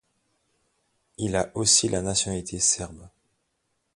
Il a aussi la nationalité serbe.